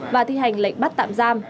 và thi hành lệnh bắt tạm giam